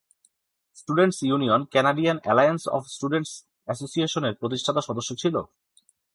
Students union Canadian alliance of students অ্যাসোসিয়েশনের প্রতিষ্ঠাতা সদস্য ছিল।